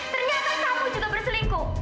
ternyata kamu juga berselingkuh